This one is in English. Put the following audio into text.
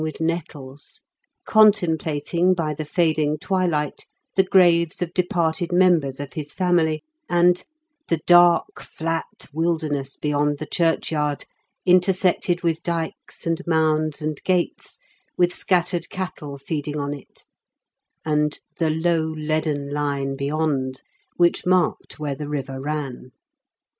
27 with nettles" — contemplating by the fading twilight the graves of departed members of his family, and " the dark flat wilderness be yond the churchyard, intersected with dykes and mounds and gates, with scattered cattle feeding on it," and " the low leaden line be yond," which marked where the river ran.